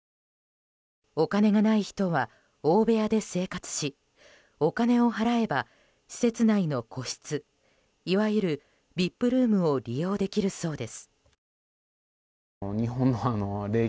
お金がない人は大部屋で生活しお金を払えば、施設内の個室いわゆるＶＩＰルームを利用できるそうです。